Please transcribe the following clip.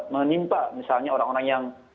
menimpa misalnya orang orang yang